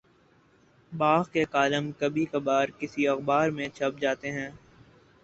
بعض کے کالم کبھی کبھارکسی اخبار میں چھپ جاتے ہیں۔